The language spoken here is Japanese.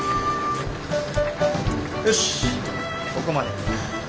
よしここまで。